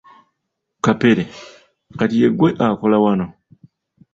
Kapere, Kati ye ggwe akola wano?